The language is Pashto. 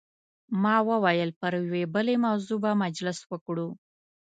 ما وویل پر یوې بلې موضوع به مجلس وکړو.